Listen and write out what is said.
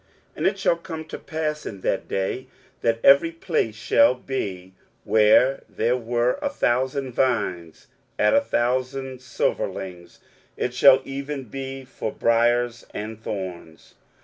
23:007:023 And it shall come to pass in that day, that every place shall be, where there were a thousand vines at a thousand silverlings, it shall even be for briers and thorns.